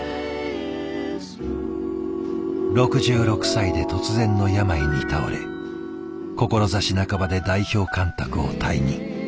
６６歳で突然の病に倒れ志半ばで代表監督を退任。